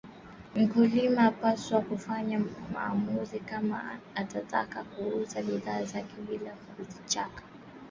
Mkulima anapaswa kufanya maamuzi kama atataka kuuza bidhaa zake bila kuzichaka